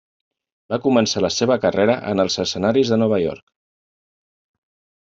Va començar la seva carrera en els escenaris de Nova York.